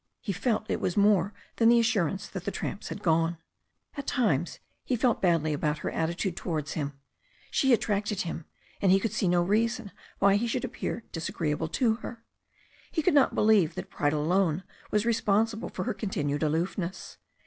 He felt it was more than the assurance that the tramps had gone. At times he felt badly about her attitude towards him. She attracted him, and he could see no reason why he should appear disagreeable to her. He could not believe that pride alone was responsible for her continued aloofness.